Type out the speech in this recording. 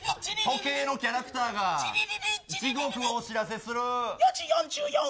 時計のキャラクターが時刻を知らせる。